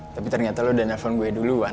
tapi ternyata lo udah nelfon gue duluan